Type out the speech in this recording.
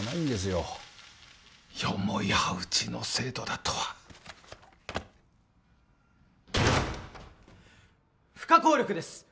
よもやうちの生徒だとは不可抗力です！